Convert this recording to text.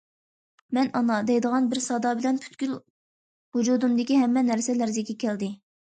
« مەن- ئانا» دەيدىغان بىر سادا بىلەن پۈتكۈل ۋۇجۇدۇمدىكى ھەممە نەرسە لەرزىگە كەلدى.